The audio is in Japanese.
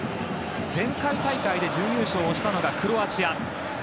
前回大会で準優勝したのがクロアチア。